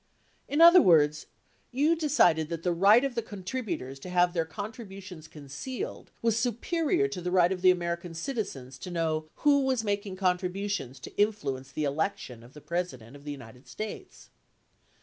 In other words, you decided that the right of the contributors to have their contributions concealed was superior to the right of the American citizens to know who was making contributions to influence the election of the President of the United States.